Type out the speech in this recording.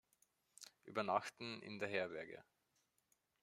Übernachten in der Herberge.